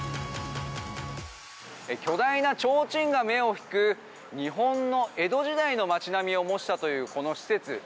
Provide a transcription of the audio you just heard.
巨大なちょうちんが目を引く日本の江戸時代の街並みを模したというこの施設。